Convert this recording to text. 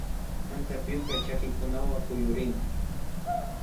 Antapyuka chakikunawan kuyurin